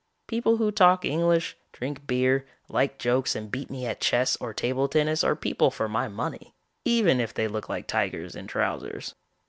People who talk English, drink beer, like jokes and beat me at chess or table tennis are people for my money, even if they look like tigers in trousers.